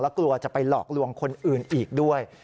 กลัวจะไปหลอกลวงคนอื่นอีกด้วย